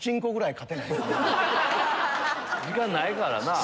時間ないからな。